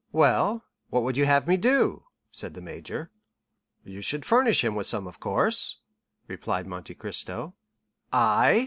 "Well, what would you have me do?" said the major. "You should furnish him with some of course," replied Monte Cristo. "I?"